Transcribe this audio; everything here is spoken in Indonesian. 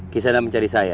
kisah anak mencari saya